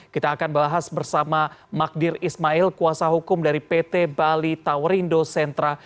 kita akan bahas bersama magdir ismail kuasa hukum dari pt bali towerindo sentra